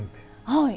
はい。